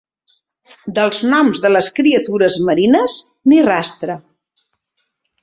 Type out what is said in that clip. Dels noms de les criatures marines, ni rastre.